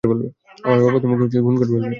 আমার বাবা তোমাকে খুন করে ফেলবে!